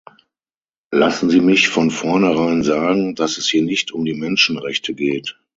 Lassen Sie mich von vornherein sagen, dass es hier nicht um die Menschenrechte geht.